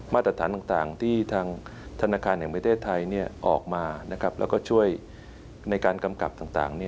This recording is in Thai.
ตรฐานต่างที่ทางธนาคารแห่งประเทศไทยออกมาแล้วก็ช่วยในการกำกับต่าง